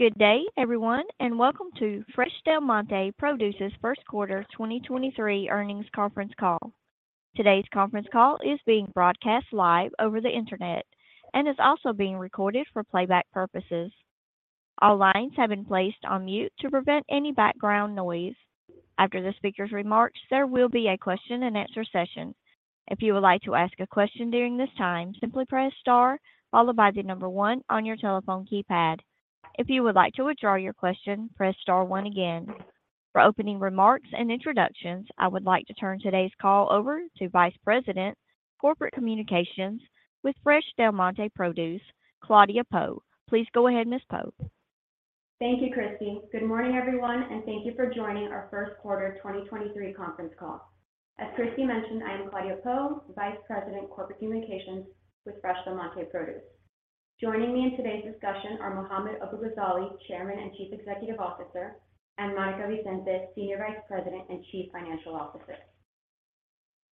Good day everyone, and welcome to Fresh Del Monte Produce's First Quarter 2023 Earnings Conference Call. Today's conference call is being broadcast live over the Internet and is also being recorded for playback purposes. All lines have been placed on mute to prevent any background noise. After the speaker's remarks, there will be a question-and-answer session. If you would like to ask a question during this time, simply press star followed by the one on your telephone keypad. If you would like to withdraw your question, press star one again. For opening remarks and introductions, I would like to turn today's call over to Vice President Corporate Communications with Fresh Del Monte Produce, Claudia Pou. Please go ahead, Ms. Pou. Thank you, Christie. Good morning, everyone, and thank you for joining our first quarter 2023 conference call. As Christie mentioned, I am Claudia Pou, Vice President, Corporate Communications with Fresh Del Monte Produce. Joining me in today's discussion are Mohammad Abu-Ghazaleh, Chairman and Chief Executive Officer, and Monica Vicente, Senior Vice President and Chief Financial Officer.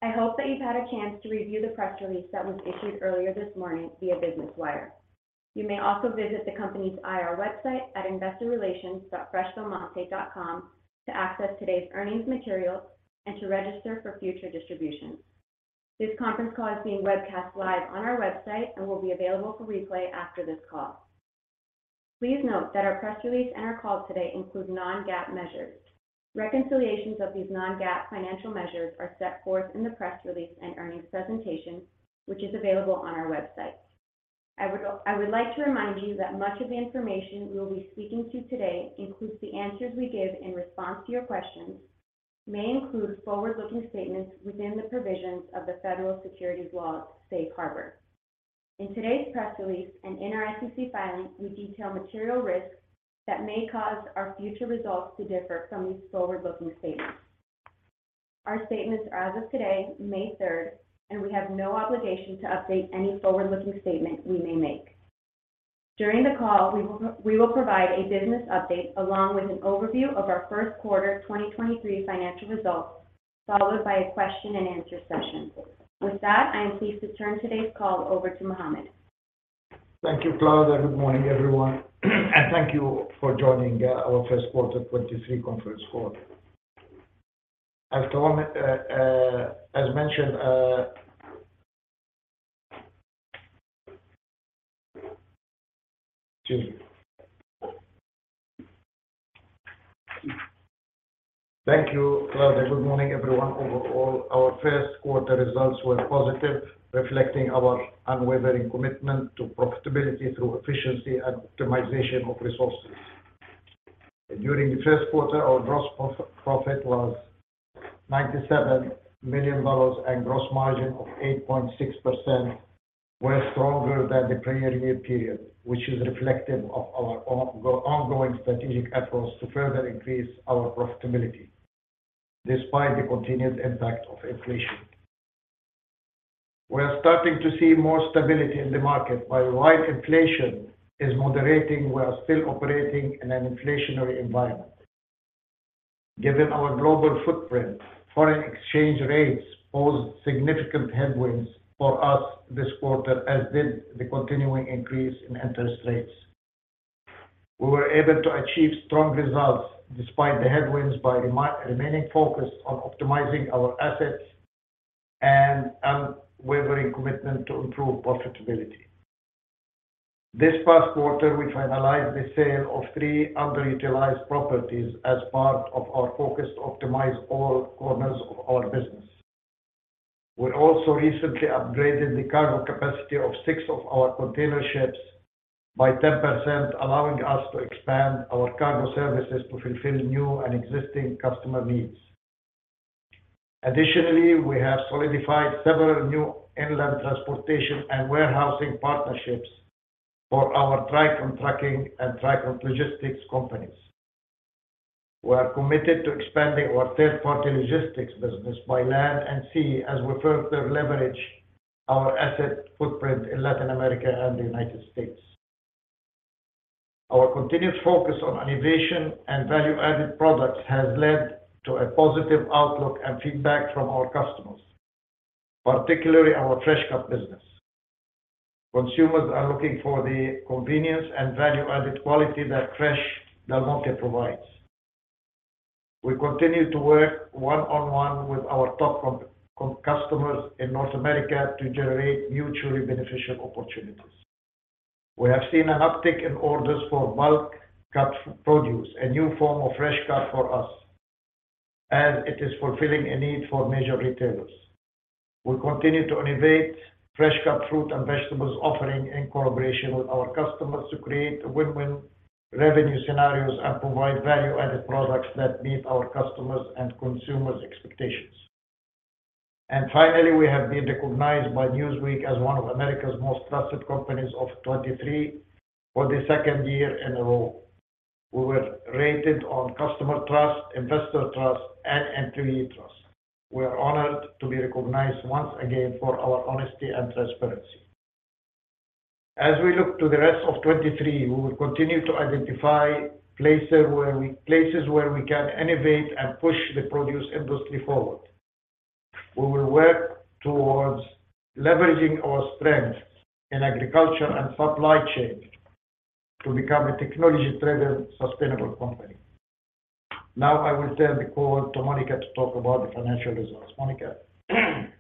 I hope that you've had a chance to review the press release that was issued earlier this morning via Business Wire. You may also visit the company's IR website at investorrelations.freshdelmonte.com to access today's earnings materials and to register for future distributions. This conference call is being webcast live on our website and will be available for replay after this call. Please note that our press release and our call today include non-GAAP measures. Reconciliations of these non-GAAP financial measures are set forth in the press release and earnings presentation, which is available on our website. I would like to remind you that much of the information we will be speaking to today includes the answers we give in response to your questions, may include forward-looking statements within the provisions of the federal securities laws safe harbor. In today's press release and in our SEC filing, we detail material risks that may cause our future results to differ from these forward-looking statements. Our statements are as of today, May 3rd, and we have no obligation to update any forward-looking statement we may make. During the call, we will provide a business update along with an overview of our first quarter 2023 financial results, followed by a question-and-answer session. With that, I am pleased to turn today's call over to Mohammad. Thank you, Claudia. Good morning everyone and thank you for joining our first quarter 2023 conference call. Excuse me. Thank you, Claudia. Good morning, everyone. Overall, our first quarter results were positive, reflecting our unwavering commitment to profitability through efficiency and optimization of resources. During the first quarter, our gross profit was $97 million and gross margin of 8.6% were stronger than the prior year period, which is reflective of our ongoing strategic efforts to further increase our profitability despite the continued impact of inflation. We are starting to see more stability in the market. While worldwide inflation is moderating, we are still operating in an inflationary environment. Given our global footprint, foreign exchange rates pose significant headwinds for us this quarter, as did the continuing increase in interest rates. We were able to achieve strong results despite the headwinds by remaining focused on optimizing our assets and unwavering commitment to improve profitability. This past quarter, we finalized the sale of three underutilized properties as part of our focus to optimize all corners of our business. We also recently upgraded the cargo capacity of six of our container ships by 10%, allowing us to expand our cargo services to fulfill new and existing customer needs. Additionally, we have solidified several new inland transportation and warehousing partnerships for our Tricont Trucking and Tricont Logistics companies. We are committed to expanding our third-party logistics business by land and sea as we further leverage our asset footprint in Latin America and the United States. Our continued focus on innovation and value-added products has led to a positive outlook and feedback from our customers, particularly our fresh cut business. Consumers are looking for the convenience and value-added quality that Fresh Del Monte provides. We continue to work one-on-one with our top customers in North America to generate mutually beneficial opportunities. We have seen an uptick in orders for bulk cut produce, a new form of fresh cut for us, as it is fulfilling a need for major retailers. We continue to innovate fresh cut fruit and vegetables offering in collaboration with our customers to create win-win revenue scenarios and provide value-added products that meet our customers' and consumers' expectations. Finally, we have been recognized by Newsweek as one of America's most trusted companies of 2023 for the second year in a row. We were rated on customer trust, investor trust, and employee trust. We are honored to be recognized once again for our honesty and transparency. As we look to the rest of 2023, we will continue to identify places where we can innovate and push the produce industry forward. We will work towards leveraging our strengths in agriculture and supply chain to become a technology-driven sustainable company. I will turn the call to Monica to talk about the financial results. Monica?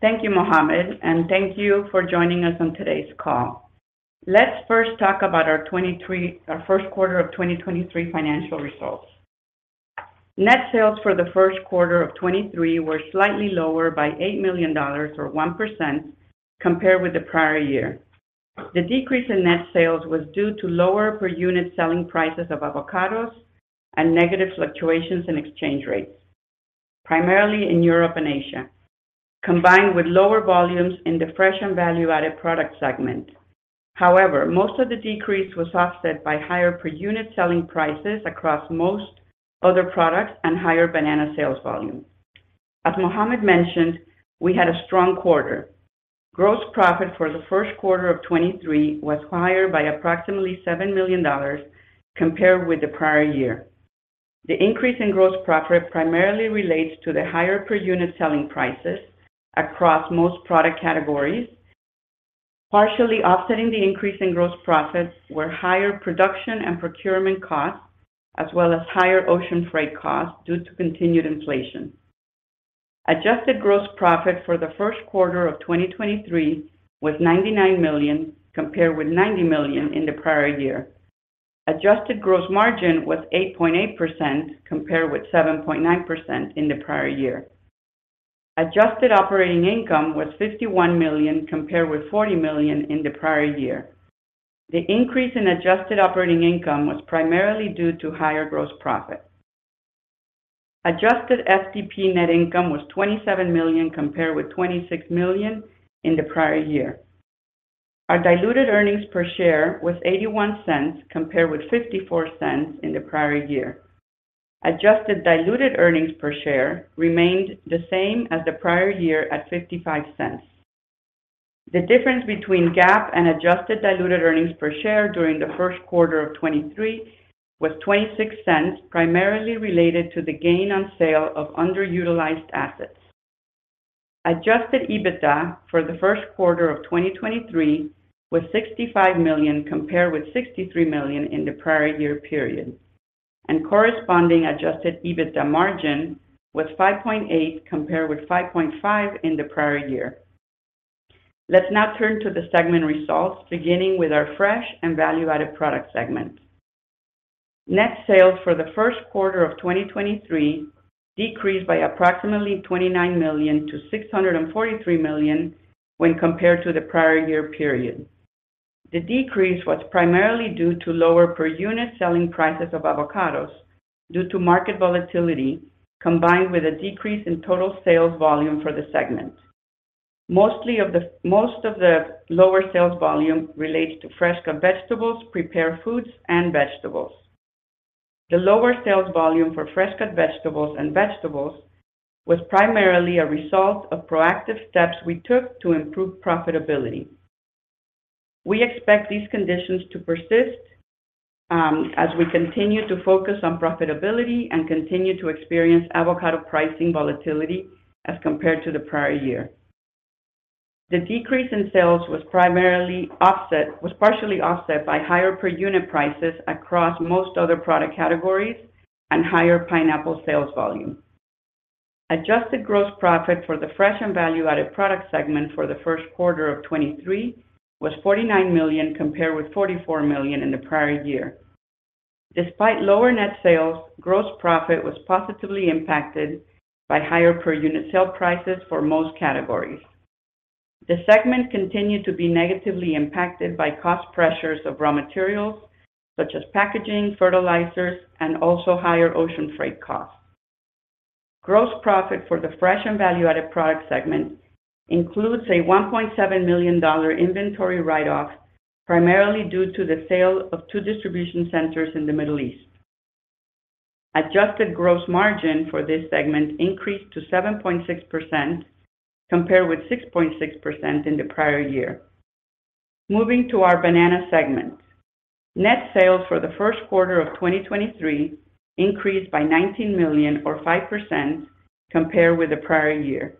Thank you, Mohammad, thank you for joining us on today's call. Let's first talk about our first quarter of 2023 financial results. Net sales for the first quarter of 2023 were slightly lower by $8 million or 1% compared with the prior year. The decrease in net sales was due to lower per unit selling prices of avocados and negative fluctuations in exchange rates, primarily in Europe and Asia, combined with lower volumes in the Fresh and Value-Added Product segment. Most of the decrease was offset by higher per unit selling prices across most other products and higher Banana sales volume. As Mohammad mentioned, we had a strong quarter. Gross profit for the first quarter of 2023 was higher by approximately $7 million compared with the prior year. The increase in gross profit primarily relates to the higher per unit selling prices across most product categories. Partially offsetting the increase in gross profits were higher production and procurement costs, as well as higher ocean freight costs due to continued inflation. Adjusted gross profit for the first quarter of 2023 was $99 million compared with $90 million in the prior year. Adjusted gross margin was 8.8% compared with 7.9% in the prior year. Adjusted operating income was $51 million compared with $40 million in the prior year. The increase in adjusted operating income was primarily due to higher gross profit. Adjusted FDP net income was $27 million compared with $26 million in the prior year. Our diluted earnings per share was $0.81 compared with $0.54 in the prior year. Adjusted diluted earnings per share remained the same as the prior year at $0.55. The difference between GAAP and adjusted diluted earnings per share during the first quarter of 2023 was $0.26, primarily related to the gain on sale of underutilized assets. Adjusted EBITDA for the first quarter of 2023 was $65 million compared with $63 million in the prior year period, and corresponding adjusted EBITDA margin was 5.8 compared with 5.5 in the prior year. Let's now turn to the segment results, beginning with our Fresh and Value-Added Product segment. Net sales for the first quarter of 2023 decreased by approximately $29 million-$643 million when compared to the prior year period. The decrease was primarily due to lower per unit selling prices of avocados due to market volatility, combined with a decrease in total sales volume for the segment. Most of the lower sales volume relates to fresh cut vegetables, prepared foods, and vegetables. The lower sales volume for fresh cut vegetables and vegetables was primarily a result of proactive steps we took to improve profitability. We expect these conditions to persist as we continue to focus on profitability and continue to experience avocado pricing volatility as compared to the prior year. The decrease in sales was partially offset by higher per unit prices across most other product categories and higher pineapple sales volume. Adjusted gross profit for the Fresh and Value-Added Product segment for the first quarter of 2023 was $49 million compared with $44 million in the prior year. Despite lower net sales, gross profit was positively impacted by higher per unit sale prices for most categories. The segment continued to be negatively impacted by cost pressures of raw materials such as packaging, fertilizers, and also higher ocean freight costs. Gross profit for the Fresh and Value-Added Product segment includes a $1.7 million inventory write-off, primarily due to the sale of two distribution centers in the Middle East. Adjusted gross margin for this segment increased to 7.6% compared with 6.6% in the prior year. Moving to our Banana segment. Net sales for the first quarter of 2023 increased by $19 million or 5% compared with the prior year.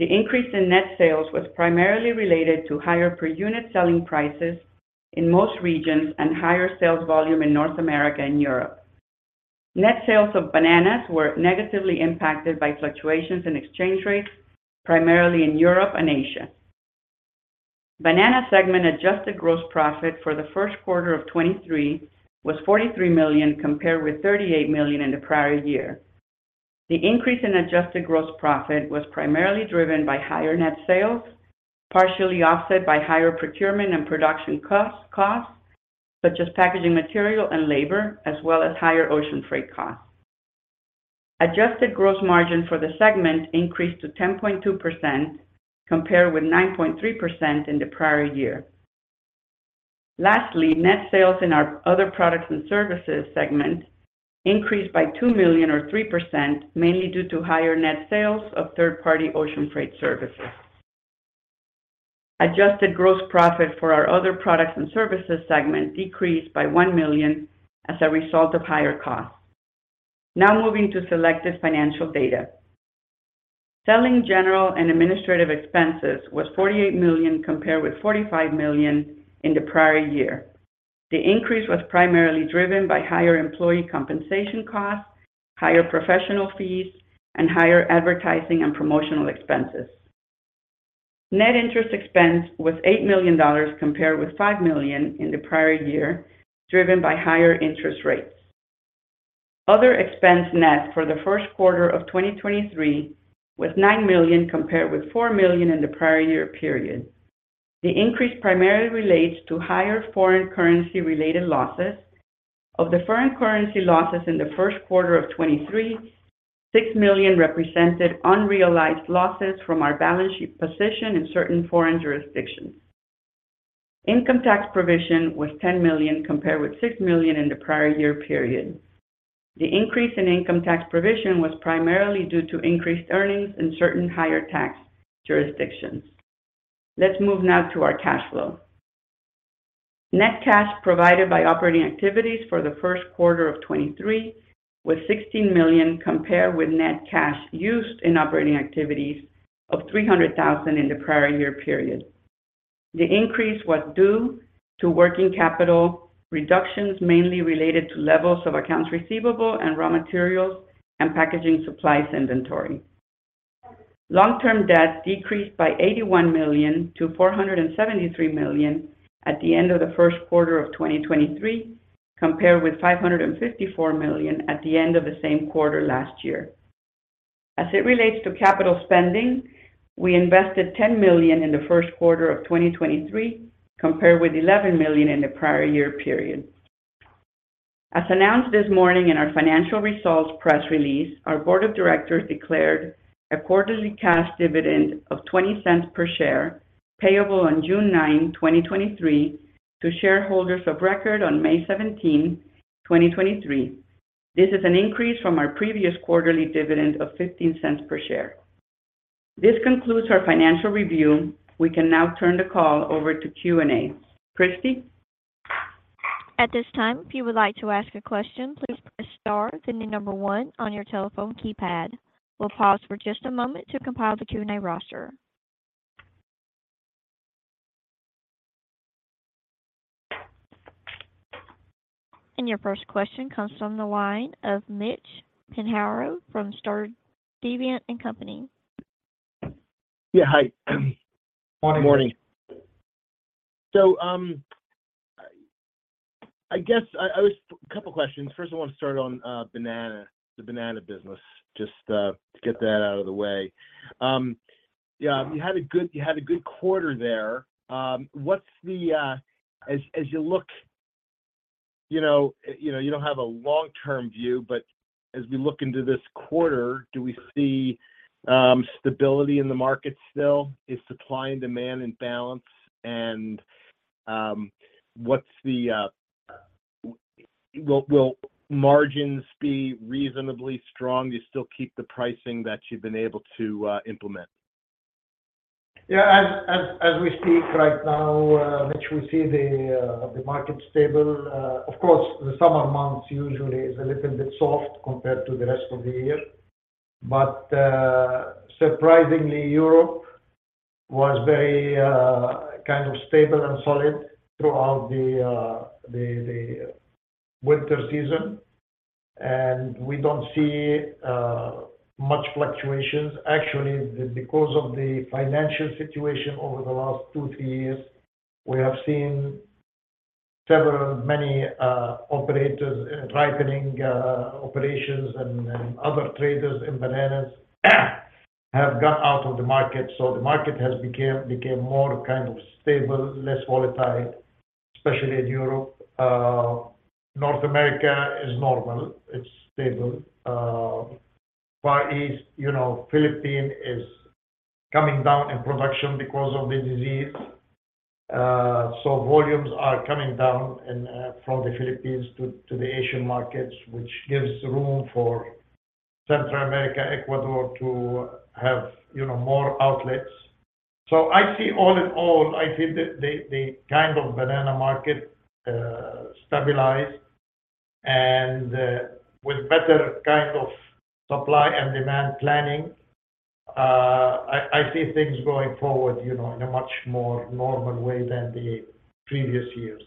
The increase in net sales was primarily related to higher per unit selling prices in most regions and higher sales volume in North America and Europe. Net sales of Bananas were negatively impacted by fluctuations in exchange rates, primarily in Europe and Asia. Banana segment adjusted gross profit for the first quarter of 2023 was $43 million compared with $38 million in the prior year. The increase in adjusted gross profit was primarily driven by higher net sales, partially offset by higher procurement and production costs such as packaging material and labor, as well as higher ocean freight costs. Adjusted gross margin for the segment increased to 10.2% compared with 9.3% in the prior year. Lastly, net sales in our Other Products and Services segment increased by $2 million or 3%, mainly due to higher net sales of third-party ocean freight services. Adjusted gross profit for our Other Products and Services segment decreased by $1 million as a result of higher costs. Now moving to selected financial data. Selling general and administrative expenses was $48 million compared with $45 million in the prior year. The increase was primarily driven by higher employee compensation costs, higher professional fees, and higher advertising and promotional expenses. Net interest expense was $8 million compared with $5 million in the prior year, driven by higher interest rates. Other expense net for the first quarter of 2023 was $9 million compared with $4 million in the prior year period. The increase primarily relates to higher foreign currency related losses. Of the foreign currency losses in the first quarter of 2023, $6 million represented unrealized losses from our balance sheet position in certain foreign jurisdictions. Income tax provision was $10 million compared with $6 million in the prior year period. The increase in income tax provision was primarily due to increased earnings in certain higher tax jurisdictions. Let's move now to our cash flow. Net cash provided by operating activities for the first quarter of 2023 was $16 million compared with net cash used in operating activities of $300,000 in the prior year period. The increase was due to working capital reductions mainly related to levels of accounts receivable and raw materials and packaging supplies inventory. Long-term debt decreased by $81 million-$473 million at the end of the first quarter of 2023, compared with $554 million at the end of the same quarter last year. As it relates to capital spending, we invested $10 million in the first quarter of 2023 compared with $11 million in the prior year period. As announced this morning in our financial results press release, our board of directors declared a quarterly cash dividend of $0.20 per share, payable on June 9th, 2023 to shareholders of record on May 17th, 2023. This is an increase from our previous quarterly dividend of $0.15 per share. This concludes our financial review. We can now turn the call over to Q&A. Christie? At this time, if you would like to ask a question, please press star, then the number one on your telephone keypad. We'll pause for just a moment to compile the Q&A roster. Your first question comes from the line of Mitchell Pinheiro from Sturdivant & Co. Yeah. Hi. Morning. Morning. I guess a couple of questions. First, I want to start on the Banana business, just to get that out of the way. Yeah, you had a good quarter there. What's the... As you look, you know, you know, you don't have a long-term view, but as we look into this quarter, do we see stability in the market still? Is supply and demand in balance? What's the, will margins be reasonably strong? Do you still keep the pricing that you've been able to implement? Yeah. As we speak right now, Mitch, we see the market stable. Of course, the summer months usually is a little bit soft compared to the rest of the year. Surprisingly, Europe was very kind of stable and solid throughout the winter season, and we don't see much fluctuations. Actually, because of the financial situation over the last two, three years, we have seen many operators ripening operations and other traders in bananas have gone out of the market. The market has became more kind of stable, less volatile, especially in Europe. North America is normal. It's stable. Far East, you know, Philippines is coming down in production because of the disease. Volumes are coming down in from the Philippines to the Asian markets, which gives room for Central America, Ecuador to have, you know, more outlets. All in all, I see the kind of banana market stabilize. With better kind of supply and demand planning, I see things going forward, you know, in a much more normal way than the previous years.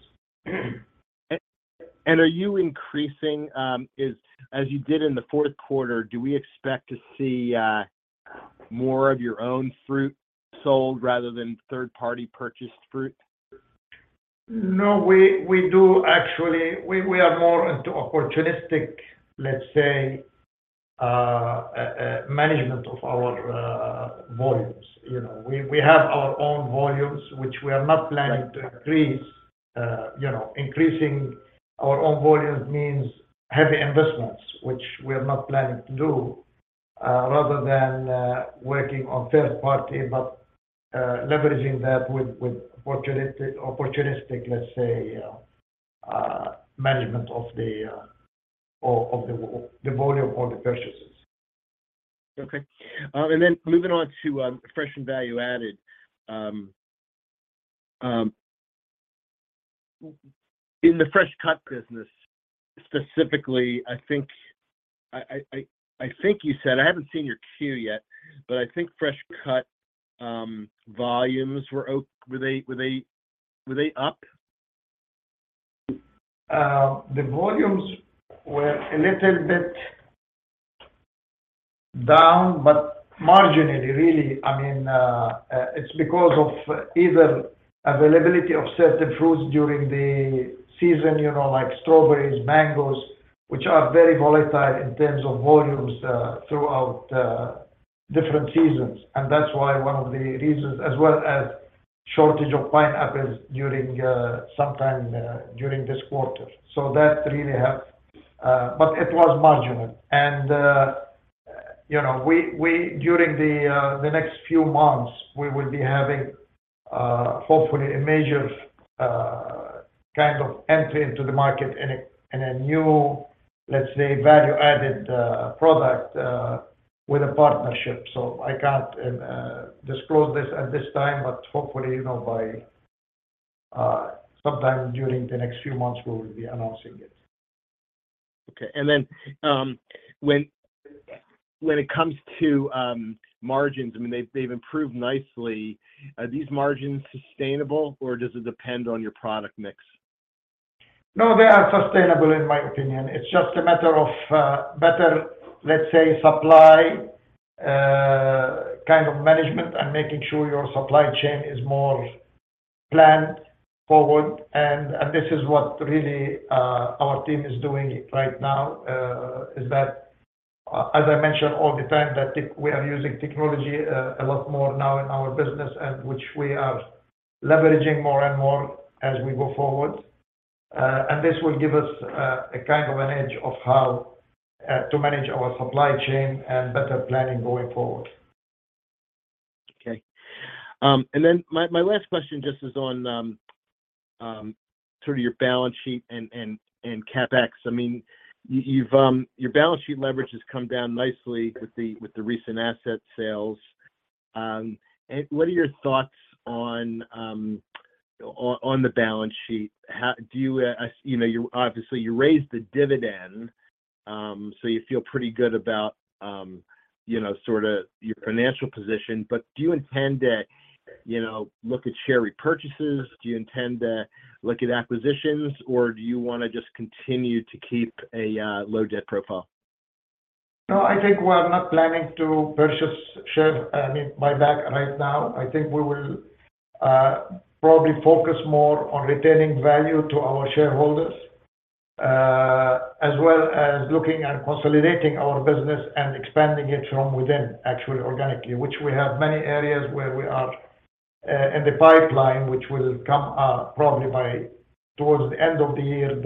As you did in the fourth quarter, do we expect to see, more of your own fruit sold rather than third-party purchased fruit? No, we do actually. We are more into opportunistic, let's say, management of our volumes. You know, we have our own volumes, which we are not planning to increase. You know, increasing our own volumes means heavy investments, which we are not planning to do, rather than working on third party, but leveraging that with opportunistic, let's say, management of the volume or the purchases. Okay. Moving on to Fresh and Value-Added. In the fresh cut business specifically, I think you said... I haven't seen your Q yet, but I think fresh cut, volumes were they up? The volumes were a little bit down, but marginally really. I mean, it's because of either availability of certain fruits during the season, you know, like strawberries, mangoes, which are very volatile in terms of volumes throughout different seasons. That's why one of the reasons as well as shortage of pineapples during sometime during this quarter. That really helped. It was marginal. You know, we, during the next few months, we will be having hopefully a major kind of entry into the market in a new, let's say, Value-Added Product with a partnership. I can't disclose this at this time, but hopefully, you know, by sometime during the next few months, we will be announcing it. Okay. when it comes to margins, I mean they've improved nicely. Are these margins sustainable or does it depend on your product mix? No, they are sustainable in my opinion. It's just a matter of better, let's say, supply kind of management and making sure your supply chain is more planned forward. This is what really our team is doing right now, is that as I mentioned all the time that we are using technology a lot more now in our business, and which we are leveraging more and more as we go forward. This will give us a kind of an edge of how to manage our supply chain and better planning going forward. Okay. My last question just is on, sort of your balance sheet and CapEx. I mean, you've, your balance sheet leverage has come down nicely with the, with the recent asset sales. What are your thoughts on the balance sheet? Do you know, you obviously you raised the dividend, so you feel pretty good about, you know, sort of your financial position. Do you intend to, you know, look at share repurchases? Do you intend to look at acquisitions, or do you wanna just continue to keep a low debt profile? No, I think we're not planning to purchase share, I mean, buyback right now. I think we will probably focus more on retaining value to our shareholders as well as looking at consolidating our business and expanding it from within actually organically, which we have many areas where we are in the pipeline, which will come up probably by towards the end of the year.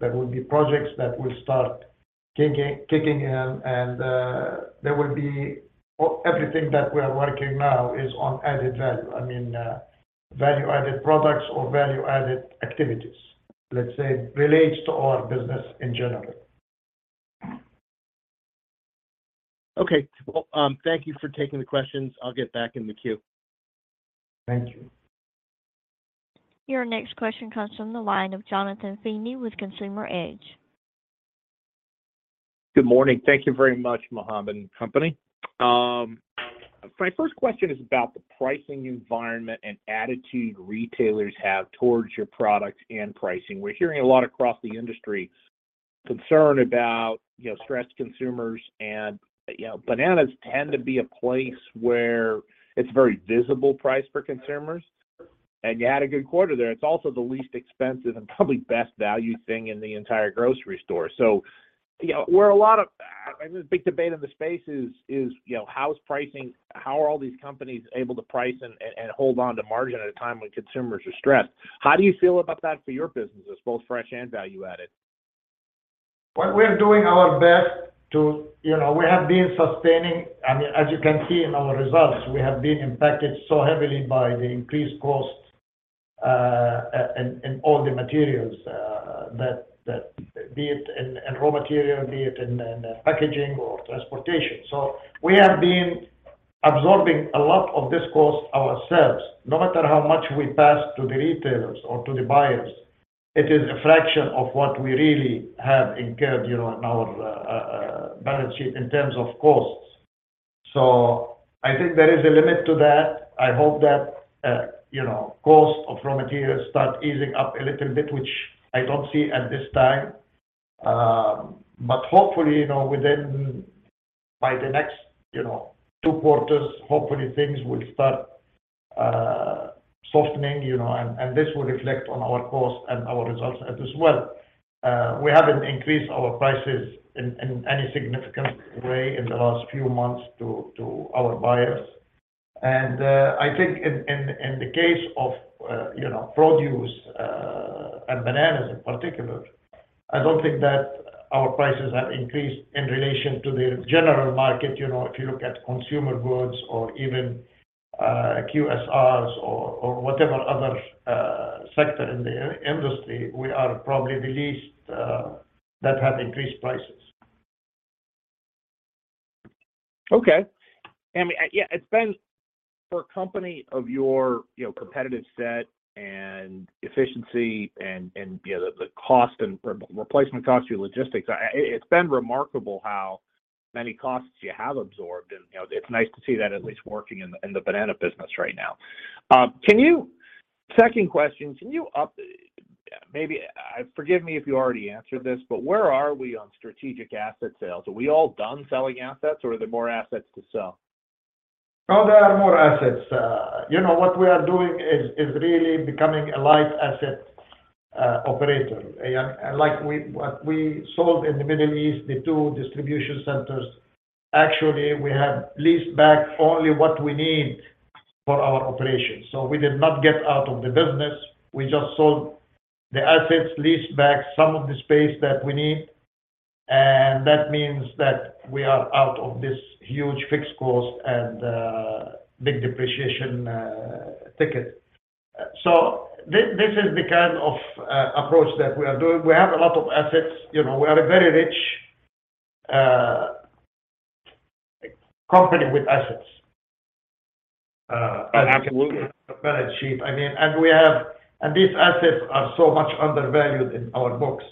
There will be projects that will start kicking in. Everything that we are working now is on added value. I mean, value-added products or value-added activities. Let's say it relates to our business in general. Okay. Well, thank you for taking the questions. I'll get back in the queue. Thank you. Your next question comes from the line of Jonathan Feeney with Consumer Edge. Good morning. Thank you very much, Mohammad and company. My first question is about the pricing environment and attitude retailers have towards your product and pricing. We're hearing a lot across the industry concern about, you know, stressed consumers. You know, Bananas tend to be a place where it's very visible price for consumers, and you had a good quarter there. It's also the least expensive and probably best value thing in the entire grocery store. You know, where a lot of I mean, the big debate in the space is, you know, how is pricing, how are all these companies able to price and hold on to margin at a time when consumers are stressed? How do you feel about that for your businesses, both Fresh and Value-Added? Well, we are doing our best. You know, we have been sustaining. I mean, as you can see in our results, we have been impacted so heavily by the increased cost in all the materials, that be it in raw material, be it in packaging or transportation. We have been absorbing a lot of this cost ourselves. No matter how much we pass to the retailers or to the buyers, it is a fraction of what we really have incurred, you know, in our balance sheet in terms of costs. I think there is a limit to that. I hope that, you know, cost of raw materials start easing up a little bit, which I don't see at this time. Hopefully, you know, within, by the next, you know, two quarters, hopefully things will start softening, you know, and this will reflect on our cost and our results as well. We haven't increased our prices in any significant way in the last few months to our buyers. I think in the case of, you know, produce and bananas in particular, I don't think that our prices have increased in relation to the general market, you know, if you look at consumer goods or even QSRs or whatever other sector in the industry, we are probably the least that have increased prices. Okay. I mean, yeah, it's been for a company of your, you know, competitive set and efficiency and, you know, the cost and re-replacement cost, your logistics. It's been remarkable how many costs you have absorbed and, you know, it's nice to see that at least working in the, in the Banana business right now. Second question, can you Maybe forgive me if you already answered this, where are we on strategic asset sales? Are we all done selling assets or are there more assets to sell? No, there are more assets. You know, what we are doing is really becoming a light asset operator. Like what we sold in the Middle East, the two distribution centers, actually we have leased back only what we need for our operations. We did not get out of the business. We just sold the assets, leased back some of the space that we need, and that means that we are out of this huge fixed cost and big depreciation ticket. This is the kind of approach that we are doing. We have a lot of assets. You know, we are a very rich company with assets. Absolutely. As a balance sheet. I mean, these assets are so much undervalued in our books.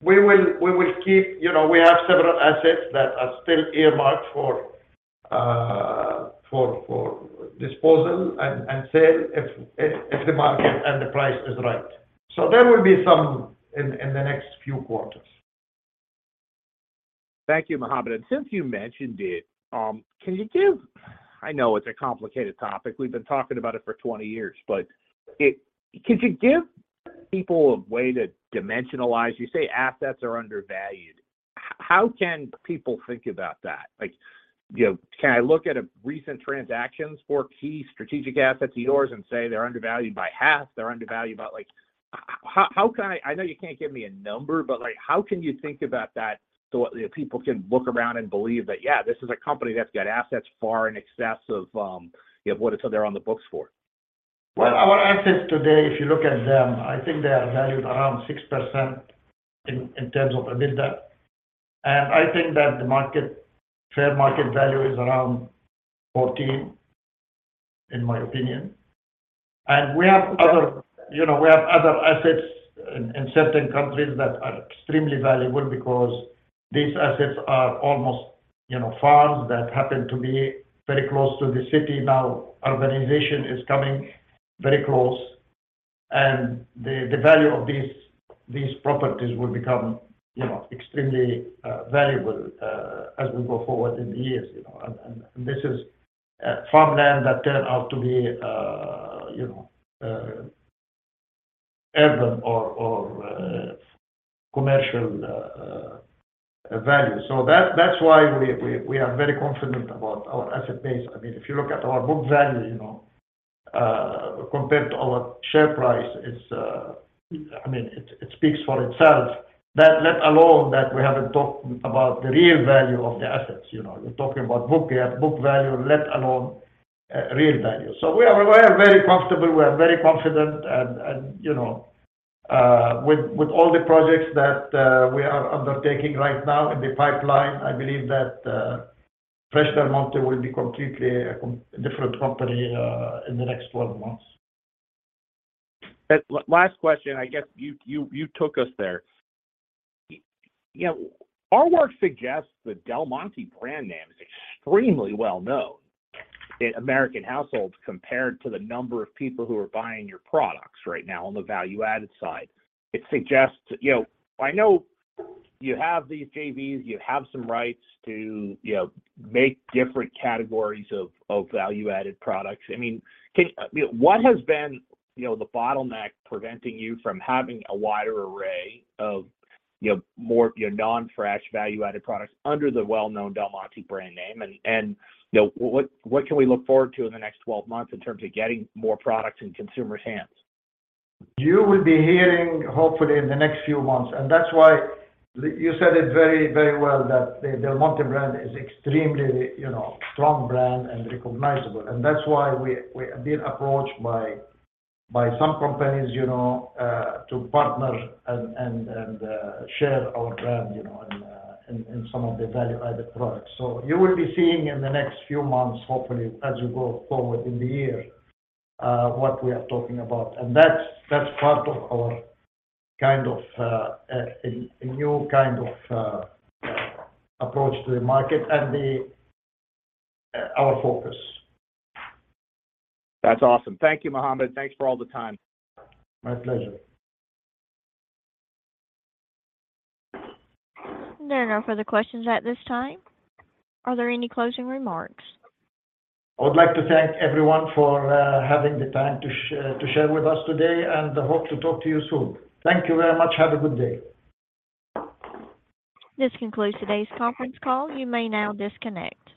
We will keep. You know, we have several assets that are still earmarked for disposal and sale if the market and the price is right. There will be some in the next few quarters. Thank you, Mohammad. Since you mentioned it, can you give, I know it's a complicated topic. We've been talking about it for 20 years. Could you give people a way to dimensionalize? You say assets are undervalued. How can people think about that? Like, you know, can I look at a recent transactions for key strategic assets of yours and say they're undervalued by half, they're undervalued by like, How can I know you can't give me a number, but, like, how can you think about that so, you know, people can look around and believe that, yeah, this is a company that's got assets far in excess of, you know, what it said they're on the books for? Well, our assets today, if you look at them, I think they are valued around 6% in terms of EBITDA. I think that the market, fair market value is around 14%, in my opinion. We have other, you know, we have other assets in certain countries that are extremely valuable because these assets are almost, you know, farms that happen to be very close to the city. Now, urbanization is coming very close, and the value of these properties will become, you know, extremely valuable as we go forward in years, you know. This is farmland that turned out to be, you know, urban or commercial value. That's why we are very confident about our asset base. I mean, if you look at our book value, you know, compared to our share price, it speaks for itself. That let alone that we haven't talked about the real value of the assets. You know, you're talking about book at book value, let alone real value. We are very comfortable, we are very confident and, you know, with all the projects that we are undertaking right now in the pipeline, I believe that Fresh Del Monte will be completely a different company in the next 12 months. Last question, I guess you took us there. You know, our work suggests the Del Monte brand name is extremely well known in American households compared to the number of people who are buying your products right now on the Value-added side. It suggests, you know, I know you have these JVs, you have some rights to, you know, make different categories of Value-Added products. I mean, what has been, you know, the bottleneck preventing you from having a wider array of, you know, more, you know, non-fresh value-added products under the well-known Del Monte brand name? And, you know, what can we look forward to in the next 12 months in terms of getting more products in consumers' hands? You will be hearing hopefully in the next few months, that's why you said it very, very well that the Del Monte brand is extremely, you know, strong brand and recognizable. That's why we have been approached by some companies, you know, to partner and share our brand, you know, in some of the value-added products. You will be seeing in the next few months, hopefully, as you go forward in the year, what we are talking about. That's part of our kind of, a new kind of, approach to the market and the, our focus. That's awesome. Thank you, Mohammad. Thanks for all the time. My pleasure. There are no further questions at this time. Are there any closing remarks? I would like to thank everyone for, having the time to share with us today, and I hope to talk to you soon. Thank you very much. Have a good day. This concludes today's conference call. You may now disconnect.